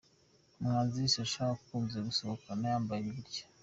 Umuhanzi Sacha akunze gusohoka yambaye atya.